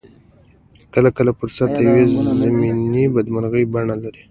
کله کله فرصت د يوې ضمني بدمرغۍ بڼه لري.